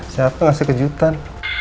siapa ngasih kejutan